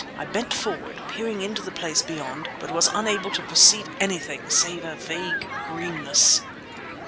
I bent forward, peering into the place beyond, but was unable to perceive anything save a vague greenness.